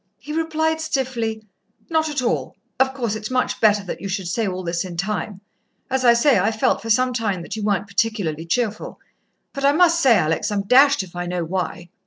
He replied stiffly, "Not at all. Of course, it's much better that you should say all this in time ... as I say, I've felt for some time that you weren't particularly cheerful. But I must say, Alex, I'm dashed if I know why."